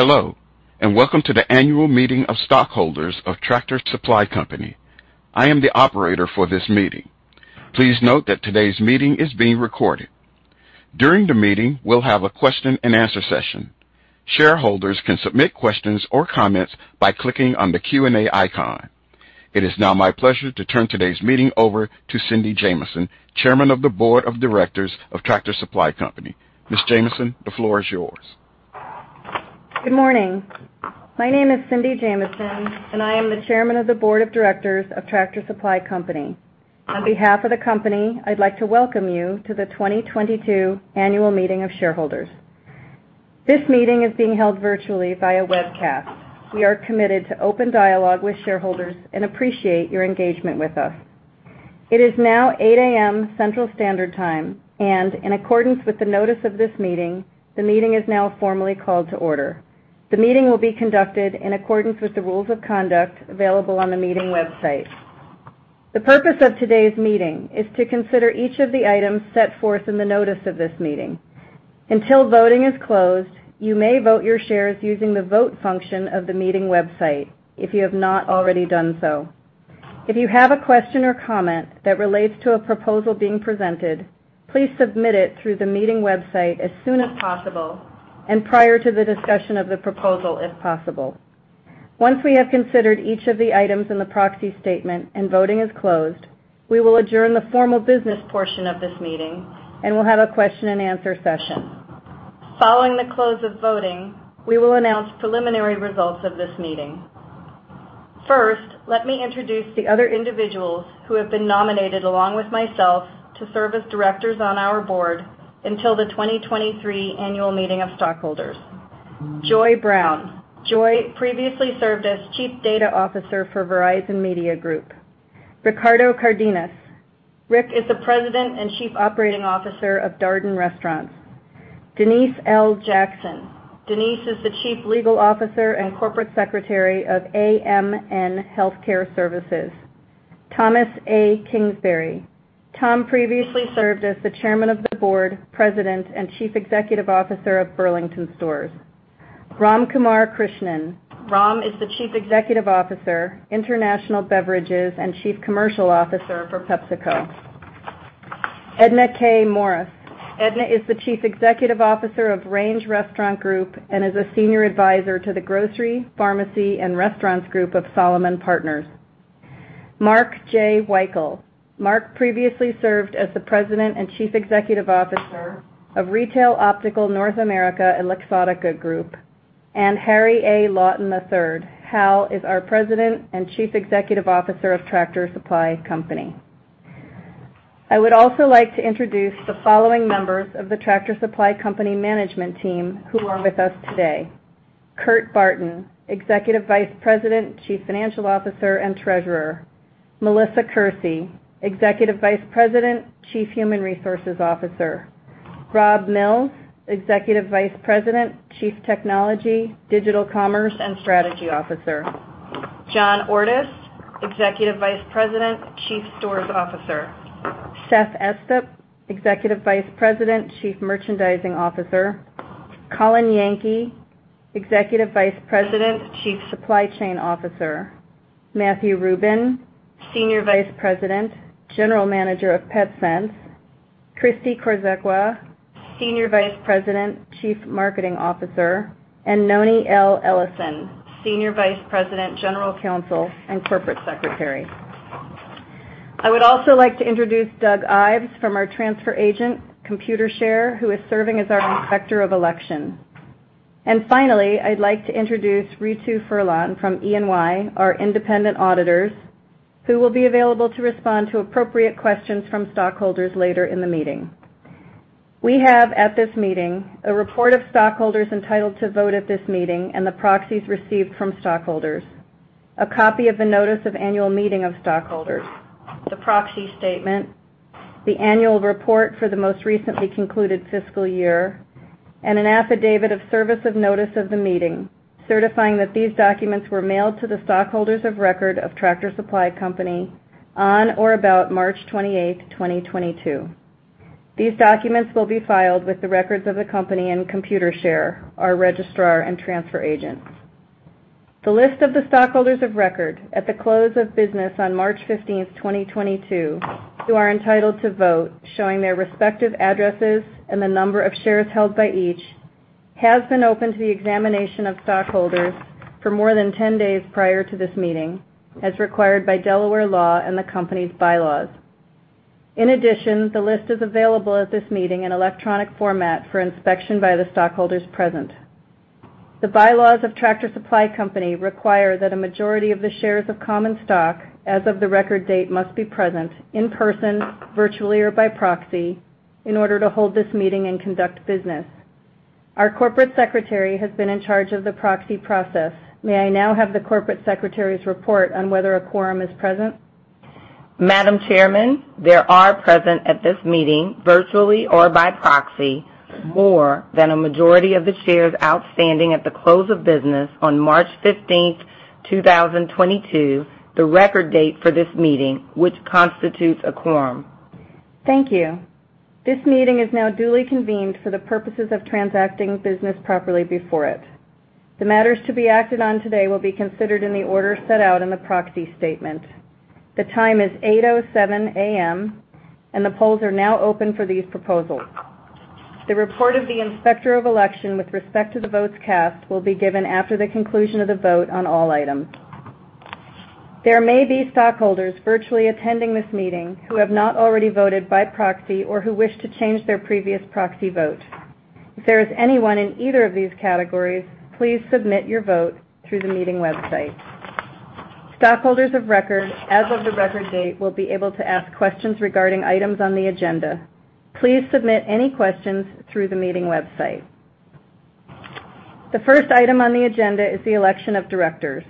Hello, and welcome to the annual meeting of stockholders of Tractor Supply Company. I am the operator for this meeting. Please note that today's meeting is being recorded. During the meeting, we'll have a question-and-answer session. Shareholders can submit questions or comments by clicking on the Q&A icon. It is now my pleasure to turn today's meeting over to Cynthia Jamison, Chairman of the Board of Directors of Tractor Supply Company. Ms. Jamison, the floor is yours. Good morning. My name is Cindy Jamison, and I am the Chairman of the Board of Directors of Tractor Supply Company. On behalf of the company, I'd like to welcome you to the 2022 annual meeting of shareholders. This meeting is being held virtually via webcast. We are committed to open dialogue with shareholders and appreciate your engagement with us. It is now 8:00 A.M. Central Standard Time, and in accordance with the notice of this meeting, the meeting is now formally called to order. The meeting will be conducted in accordance with the rules of conduct available on the meeting website. The purpose of today's meeting is to consider each of the items set forth in the notice of this meeting. Until voting is closed, you may vote your shares using the vote function of the meeting website if you have not already done so. If you have a question or comment that relates to a proposal being presented, please submit it through the meeting website as soon as possible and prior to the discussion of the proposal, if possible. Once we have considered each of the items in the proxy statement and voting is closed, we will adjourn the formal business portion of this meeting, and we'll have a question-and-answer session. Following the close of voting, we will announce preliminary results of this meeting. First, let me introduce the other individuals who have been nominated along with myself to serve as directors on our board until the 2023 annual meeting of stockholders. Joy Brown. Joy previously served as Chief Data Officer for Verizon Media Group. Ricardo Cardenas. Rick is the President and Chief Operating Officer of Darden Restaurants. Denise L. Jackson. Denise is the Chief Legal Officer and Corporate Secretary of AMN Healthcare Services. Thomas A. Kingsbury. Tom previously served as the Chairman of the Board, President, and Chief Executive Officer of Burlington Stores. Ramkumar Krishnan. Ram is the Chief Executive Officer, International Beverages, and Chief Commercial Officer for PepsiCo. Edna K. Morris. Edna is the Chief Executive Officer of Range Restaurant Group and is a Senior Advisor to the Grocery, Pharmacy, and Restaurants Group of Solomon Partners. Mark J. Weikel. Mark previously served as the President and Chief Executive Officer of Retail Optical North America, and Luxottica Group. Harry A. Lawton III. Hal is our President and Chief Executive Officer of Tractor Supply Company. I would also like to introduce the following members of the Tractor Supply Company management team who are with us today. Kurt Barton, Executive Vice President, Chief Financial Officer, and Treasurer. Melissa Kersey, Executive Vice President, Chief Human Resources Officer. Rob Mills, Executive Vice President, Chief Technology, Digital Commerce, and Strategy Officer. John Ordus, Executive Vice President, Chief Stores Officer. Seth Estep, Executive Vice President, Chief Merchandising Officer. Colin Yankee, Executive Vice President, Chief Supply Chain Officer. Matthew Rubin, Senior Vice President, General Manager of PetSense. Christi Korzekwa, Senior Vice President, Chief Marketing Officer. Noni L. Ellison, Senior Vice President, General Counsel, and Corporate Secretary. I would also like to introduce Doug Ives from our transfer agent, Computershare, who is serving as our Inspector of Election. Finally, I'd like to introduce Ritu Furlan from EY, our independent auditors, who will be available to respond to appropriate questions from stockholders later in the meeting. We have at this meeting a report of stockholders entitled to vote at this meeting and the proxies received from stockholders, a copy of the notice of annual meeting of stockholders, the proxy statement, the annual report for the most recently concluded fiscal year, and an affidavit of service of notice of the meeting, certifying that these documents were mailed to the stockholders of record of Tractor Supply Company on or about March 28, 2022. These documents will be filed with the records of the company in Computershare, our registrar and transfer agent. The list of the stockholders of record at the close of business on March 15, 2022, who are entitled to vote, showing their respective addresses and the number of shares held by each, has been open to the examination of stockholders for more than 10 days prior to this meeting, as required by Delaware law and the company's bylaws. In addition, the list is available at this meeting in electronic format for inspection by the stockholders present. The bylaws of Tractor Supply Company require that a majority of the shares of common stock as of the record date must be present in person, virtually, or by proxy, in order to hold this meeting and conduct business. Our corporate secretary has been in charge of the proxy process. May I now have the corporate secretary's report on whether a quorum is present? Madam Chairman, there are present at this meeting, virtually or by proxy, more than a majority of the shares outstanding at the close of business on March 15, 2022, the record date for this meeting, which constitutes a quorum. Thank you. This meeting is now duly convened for the purposes of transacting business properly before it. The matters to be acted on today will be considered in the order set out in the proxy statement. The time is 8:07 A.M., and the polls are now open for these proposals. The report of the Inspector of Election with respect to the votes cast will be given after the conclusion of the vote on all items. There may be stockholders virtually attending this meeting who have not already voted by proxy or who wish to change their previous proxy vote. If there is anyone in either of these categories, please submit your vote through the meeting website. Stockholders of record as of the record date will be able to ask questions regarding items on the agenda. Please submit any questions through the meeting website. The first item on the agenda is the election of directors.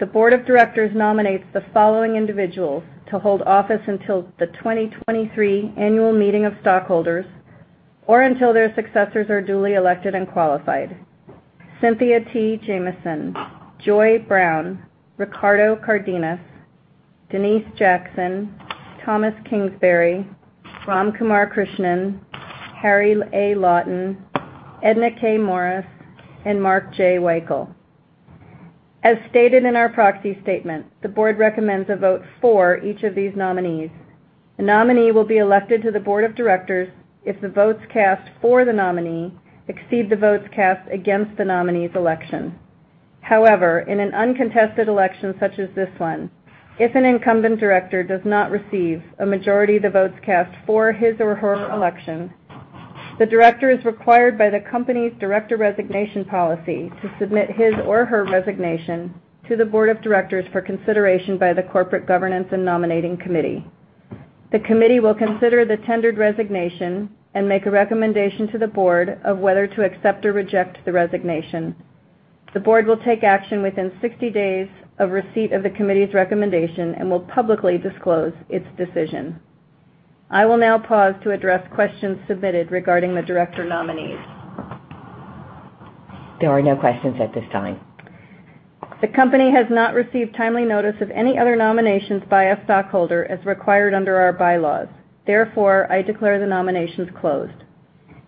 The board of directors nominates the following individuals to hold office until the 2023 annual meeting of stockholders or until their successors are duly elected and qualified. Cynthia T. Jamison, Joy Brown, Ricardo Cardenas, Denise Jackson, Thomas Kingsbury, Ramkumar Krishnan, Harry A. Lawton III, Edna K. Morris, and Mark J. Weikel. As stated in our proxy statement, the board recommends a vote for each of these nominees. A nominee will be elected to the board of directors if the votes cast for the nominee exceed the votes cast against the nominee's election. However, in an uncontested election such as this one, if an incumbent director does not receive a majority of the votes cast for his or her election, the director is required by the company's director resignation policy to submit his or her resignation to the board of directors for consideration by the Corporate Governance and Nominating Committee. The committee will consider the tendered resignation and make a recommendation to the board of whether to accept or reject the resignation. The board will take action within 60 days of receipt of the committee's recommendation and will publicly disclose its decision. I will now pause to address questions submitted regarding the director nominees. There are no questions at this time. The company has not received timely notice of any other nominations by a stockholder as required under our bylaws. Therefore, I declare the nominations closed.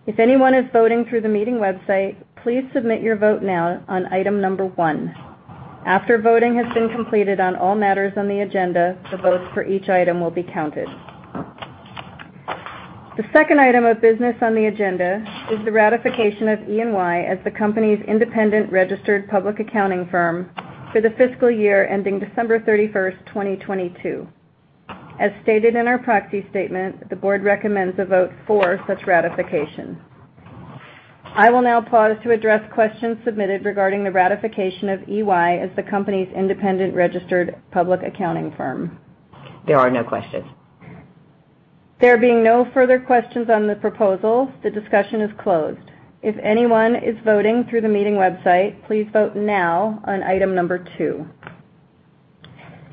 If anyone is voting through the meeting website, please submit your vote now on item number 1. After voting has been completed on all matters on the agenda, the votes for each item will be counted. The second item of business on the agenda is the ratification of EY as the company's independent registered public accounting firm for the fiscal year ending December 31, 2022. As stated in our proxy statement, the board recommends a vote for such ratification. I will now pause to address questions submitted regarding the ratification of EY as the company's independent registered public accounting firm. There are no questions. There being no further questions on the proposal, the discussion is closed. If anyone is voting through the meeting website, please vote now on item number 2.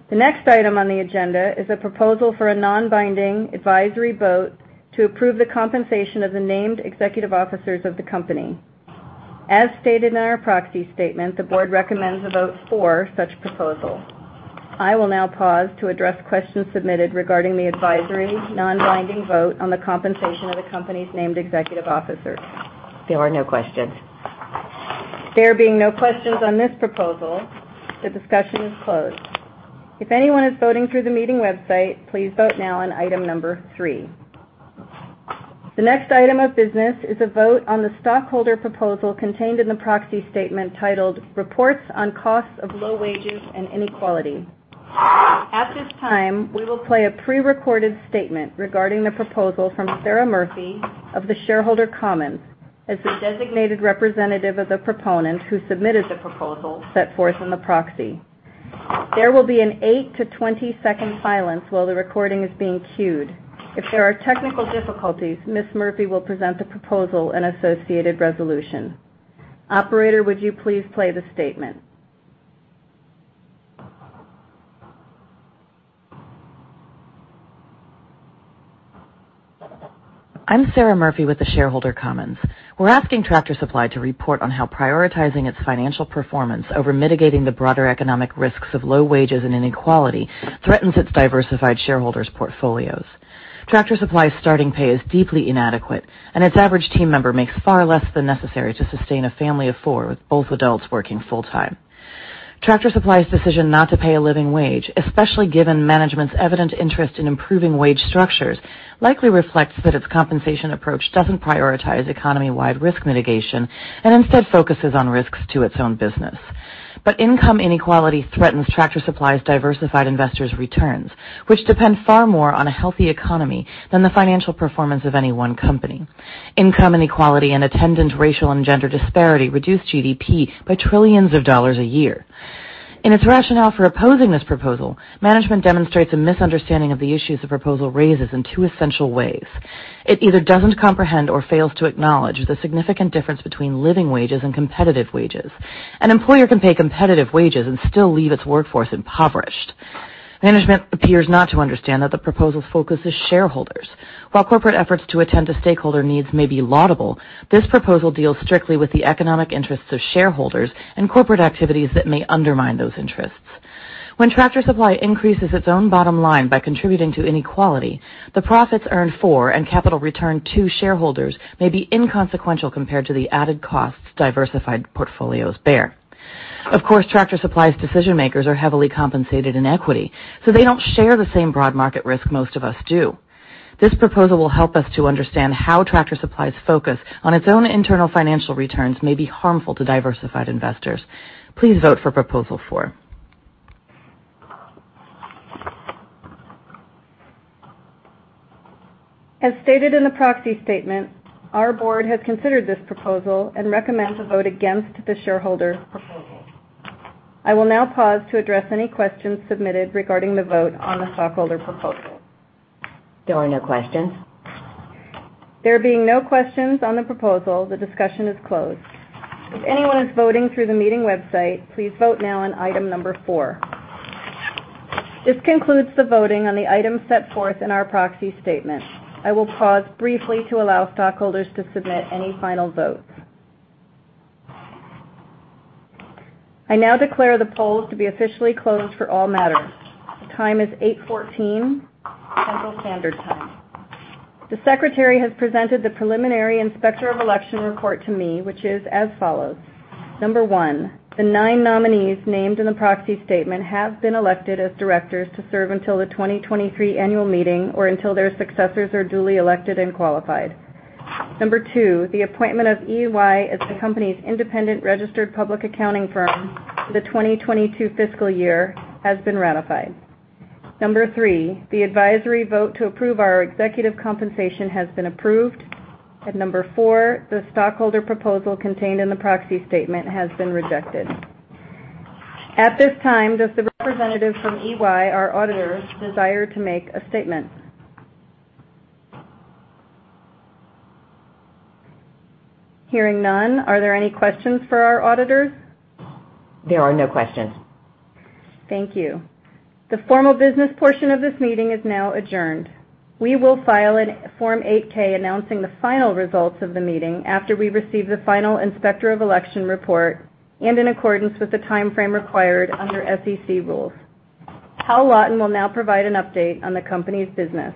The next item on the agenda is a proposal for a non-binding advisory vote to approve the compensation of the named executive officers of the company. As stated in our proxy statement, the board recommends a vote for such proposal. I will now pause to address questions submitted regarding the advisory non-binding vote on the compensation of the company's named executive officers. There are no questions. There being no questions on this proposal, the discussion is closed. If anyone is voting through the meeting website, please vote now on item number three. The next item of business is a vote on the stockholder proposal contained in the proxy statement titled Reports on Costs of Low Wages and Inequality. At this time, we will play a pre-recorded statement regarding the proposal from Sara Murphy of The Shareholder Commons as the designated representative of the proponent who submitted the proposal set forth in the proxy. There will be an 8-20-second silence while the recording is being queued. If there are technical difficulties, Ms. Murphy will present the proposal and associated resolution. Operator, would you please play the statement? I'm Sara Murphy with The Shareholder Commons. We're asking Tractor Supply to report on how prioritizing its financial performance over mitigating the broader economic risks of low wages and inequality threatens its diversified shareholders' portfolios. Tractor Supply's starting pay is deeply inadequate, and its average team member makes far less than necessary to sustain a family of four, with both adults working full-time. Tractor Supply's decision not to pay a living wage, especially given management's evident interest in improving wage structures, likely reflects that its compensation approach doesn't prioritize economy-wide risk mitigation and instead focuses on risks to its own business. Income inequality threatens Tractor Supply's diversified investors' returns, which depend far more on a healthy economy than the financial performance of any one company. Income inequality and attendant racial and gender disparity reduce GDP by trillions of dollars a year. In its rationale for opposing this proposal, management demonstrates a misunderstanding of the issues the proposal raises in two essential ways. It either doesn't comprehend or fails to acknowledge the significant difference between living wages and competitive wages. An employer can pay competitive wages and still leave its workforce impoverished. Management appears not to understand that the proposal focuses shareholders. While corporate efforts to attend to stakeholder needs may be laudable, this proposal deals strictly with the economic interests of shareholders and corporate activities that may undermine those interests. When Tractor Supply increases its own bottom line by contributing to inequality, the profits earned for and capital returned to shareholders may be inconsequential compared to the added costs diversified portfolios bear. Of course, Tractor Supply's decision-makers are heavily compensated in equity, so they don't share the same broad market risk most of us do. This proposal will help us to understand how Tractor Supply's focus on its own internal financial returns may be harmful to diversified investors. Please vote for proposal four. As stated in the proxy statement, our board has considered this proposal and recommends a vote against the shareholder proposal. I will now pause to address any questions submitted regarding the vote on the stockholder proposal. There are no questions. There being no questions on the proposal, the discussion is closed. If anyone is voting through the meeting website, please vote now on item number 4. This concludes the voting on the item set forth in our proxy statement. I will pause briefly to allow stockholders to submit any final votes. I now declare the polls to be officially closed for all matters. The time is 8:14 Central Standard Time. The secretary has presented the preliminary inspector of election report to me, which is as follows. 1, the 9 nominees named in the proxy statement have been elected as directors to serve until the 2023 annual meeting or until their successors are duly elected and qualified. 2, the appointment of EY as the company's independent registered public accounting firm for the 2022 fiscal year has been ratified. 3, the advisory vote to approve our executive compensation has been approved. 4, the stockholder proposal contained in the proxy statement has been rejected. At this time, does the representative from EY, our auditors, desire to make a statement? Hearing none, are there any questions for our auditors? There are no questions. Thank you. The formal business portion of this meeting is now adjourned. We will file a Form 8-K announcing the final results of the meeting after we receive the final inspector of election report and in accordance with the timeframe required under SEC rules. Hal Lawton will now provide an update on the company's business.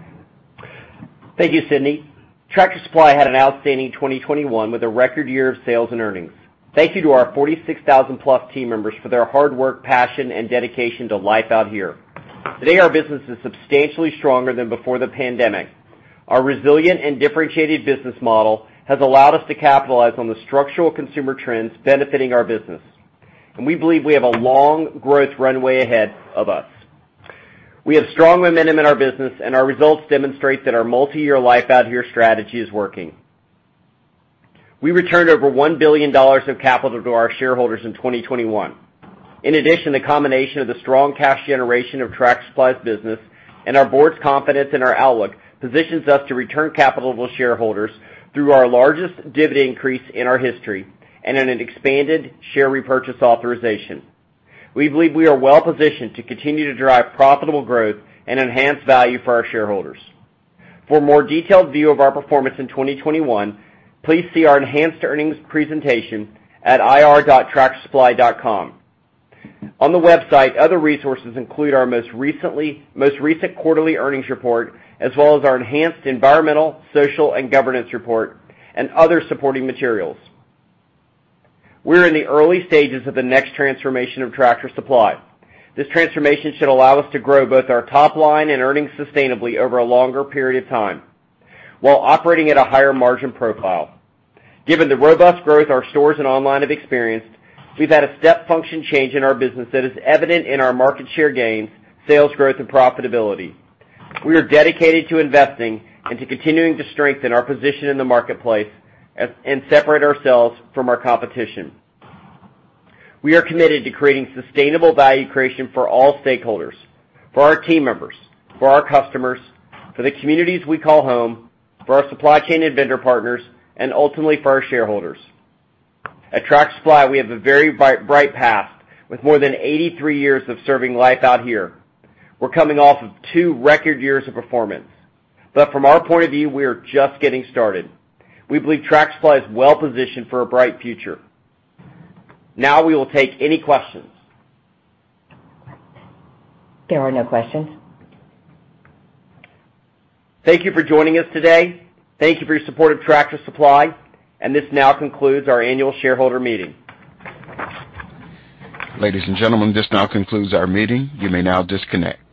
Thank you, Cindy. Tractor Supply had an outstanding 2021 with a record year of sales and earnings. Thank you to our 46,000+ team members for their hard work, passion and dedication to Life Out Here. Today, our business is substantially stronger than before the pandemic. Our resilient and differentiated business model has allowed us to capitalize on the structural consumer trends benefiting our business. We believe we have a long growth runway ahead of us. We have strong momentum in our business, and our results demonstrate that our multi-year Life Out Here strategy is working. We returned over $1 billion of capital to our shareholders in 2021. In addition, the combination of the strong cash generation of Tractor Supply's business and our board's confidence in our outlook positions us to return capital to shareholders through our largest dividend increase in our history and in an expanded share repurchase authorization. We believe we are well positioned to continue to drive profitable growth and enhance value for our shareholders. For a more detailed view of our performance in 2021, please see our enhanced earnings presentation at ir.tractorsupply.com. On the website, other resources include our most recent quarterly earnings report, as well as our enhanced environmental, social, and governance report and other supporting materials. We're in the early stages of the next transformation of Tractor Supply. This transformation should allow us to grow both our top line and earnings sustainably over a longer period of time while operating at a higher margin profile. Given the robust growth our stores and online have experienced, we've had a step function change in our business that is evident in our market share gains, sales growth, and profitability. We are dedicated to investing and to continuing to strengthen our position in the marketplace and separate ourselves from our competition. We are committed to creating sustainable value creation for all stakeholders, for our team members, for our customers, for the communities we call home, for our supply chain and vendor partners, and ultimately for our shareholders. At Tractor Supply, we have a very bright past with more than 83 years of serving Life Out Here. We're coming off of two record years of performance. From our point of view, we are just getting started. We believe Tractor Supply is well positioned for a bright future. Now we will take any questions. There are no questions. Thank you for joining us today. Thank you for your support of Tractor Supply, and this now concludes our annual shareholder meeting. Ladies and gentlemen, this now concludes our meeting. You may now disconnect.